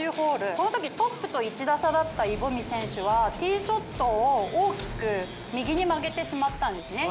このときトップと１打差だったイボミ選手はティーショットを大きく右に曲げてしまったんですね。